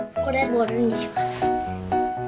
ボールにします。